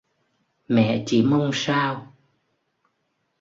Mẹ chỉ mong sao